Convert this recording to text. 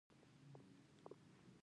لۍ مو وینه کوي؟